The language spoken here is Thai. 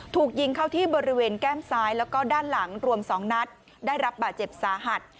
ถูกยิงเข้าที่บริเวณแก้มซ้ายแล้วก็ด้านหลังรวม๒นัดได้รับบาดเจ็บสาหัส